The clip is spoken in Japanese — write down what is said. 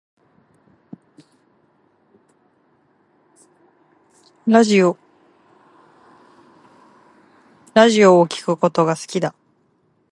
ラジオを聴くことが好きだ